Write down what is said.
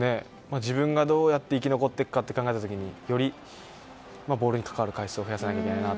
自分がどうやって生き残っていくかって考えた時によりボールに関わる回数を増やさないといけないなと